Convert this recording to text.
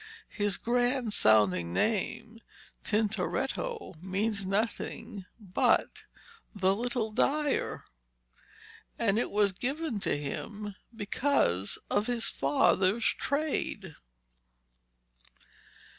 His grand sounding name 'Tintoretto' means nothing but 'the little dyer,' and it was given to him because of his father's trade.